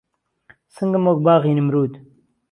سنگم وەک باغی نمرود